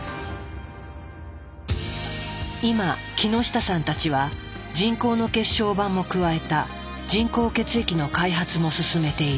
今木下さんたちは人工の血小板も加えた人工血液の開発も進めている。